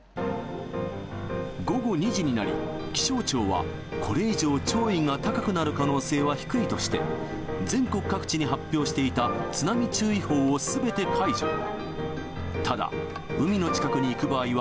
午後２時になり、気象庁は、これ以上、潮位が高くなる可能性は低いとして、全国各地に発表していた津波注意報をすべて解除。